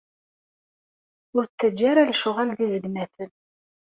Ur ttaǧǧa ara lecɣal d izegnaten.